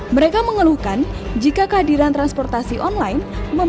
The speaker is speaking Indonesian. mereka mengeluhkan jika kehadiran transportasi online